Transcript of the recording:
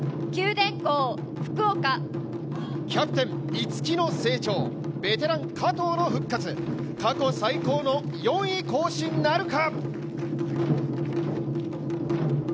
キャプテン・五木の成長、ベテラン・加藤の復活、過去最高の４位更新なるか。